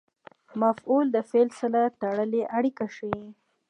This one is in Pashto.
مفعول د فعل سره تړلې اړیکه ښيي.